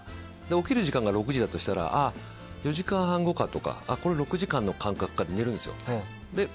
起きる時間が６時だとしたら４時間半後かとかこれ、６時間の感覚かって寝るんです。